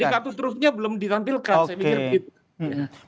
jadi kartu trufnya belum ditampilkan